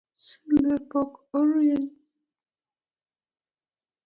Sulwe pok orieny.